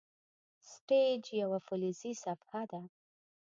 سټیج یوه فلزي صفحه ده.